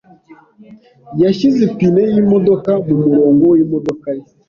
yashyize ipine yimodoka mumurongo wimodoka ye.